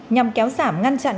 nhằm kéo giảm ngăn chặn